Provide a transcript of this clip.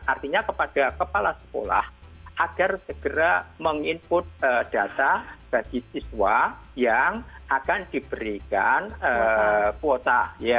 artinya kepada kepala sekolah agar segera meng input data bagi siswa yang akan diberikan kuota